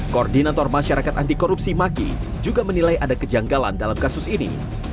koordinator masyarakat anti korupsi maki juga menilai ada kejanggalan dalam kasus ini